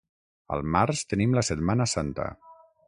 Al març tenim la Setmana Santa.